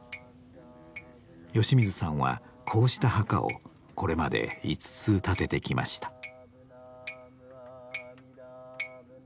吉水さんはこうした墓をこれまで５つ建ててきました。